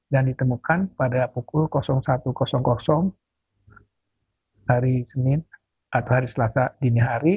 dan ditemukan pada pukul satu hari senin atau hari selasa dini hari